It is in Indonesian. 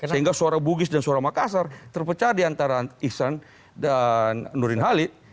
sehingga suara bugis dan suara makassar terpecah di antara iksan dan nurdin halid